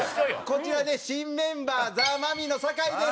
こちらね新メンバーザ・マミィの酒井です。